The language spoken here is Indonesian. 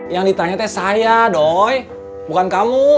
yang ditanya teh saya doy bukan kamu